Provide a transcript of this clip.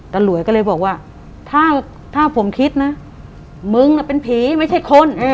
ตะหลวยเลยบอกว่าถ้าผมคิดนะมึงนะเป็นผีมันไม่ใช่คน